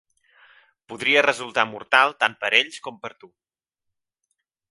Podria resultar mortal tant per a ells com per a tu.